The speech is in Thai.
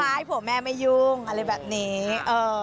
ให้ผัวแม่ไม่ยุ่งอะไรแบบนี้